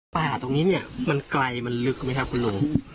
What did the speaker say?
ป่าตรงนี้เนี่ยมันไกลมันลึกไหมครับคุณลุง